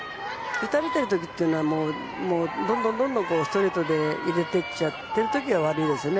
打たれている時というのはどんどんどんどんストレートで入れていっちゃってる時は悪いですね。